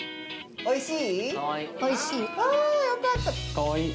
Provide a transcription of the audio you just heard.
おいしい？